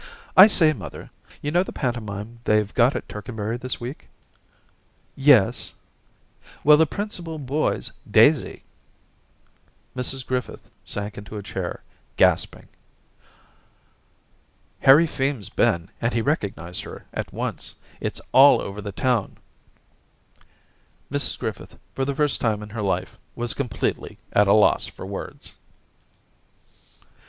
' I say, mother, you know the pantomime they've got at Tercanbury this week ?'' Yes/ * Well, the principal boy's Daisy.' Mrs Griffith sank into a chair, gasping. * Harry Feme's been, and he recognised her at once. It's all over the town.' Mrs Griffith, for the first time in her life, was completely at a loss for words.